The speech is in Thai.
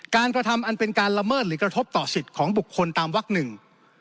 กระทำอันเป็นการละเมิดหรือกระทบต่อสิทธิ์ของบุคคลตามวักหนึ่ง